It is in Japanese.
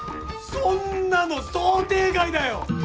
そんなの想定外だよ！